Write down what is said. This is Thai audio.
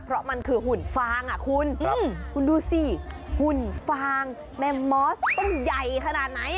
เพราะมันคือหุ่นฟางอ่ะคุณคุณดูสิหุ่นฟางแมมมอสต้นใหญ่ขนาดไหน